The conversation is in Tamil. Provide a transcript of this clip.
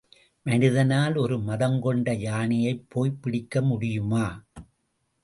மனிதனால் ஒரு மதங்கொண்ட யானையைப் போய்ப் பிடிக்கமுடியுமா?